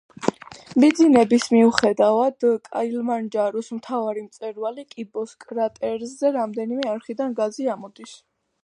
მიძინების მიუხედავად, კილიმანჯაროს მთავარი მწვერვალი კიბოს კრატერზე რამდენიმე არხიდან გაზი ამოდის.